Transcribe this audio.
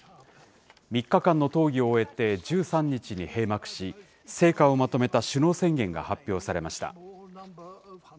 ３日間の討議を終えて１３日に閉幕し、成果をまとめた首脳宣言が発表されました。